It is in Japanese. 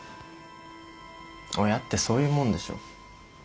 親ってそういうもんでしょ。